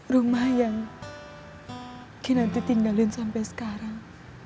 rumah yang kinanti tinggalin sampai sekarang